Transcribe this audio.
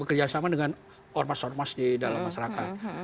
bekerjasama dengan ormas ormas di dalam masyarakat